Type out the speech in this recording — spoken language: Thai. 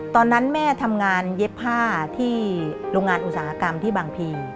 ตอนนั้นแม่ทำงานเย็บผ้าที่โรงงานอุตสาหกรรมที่บางพี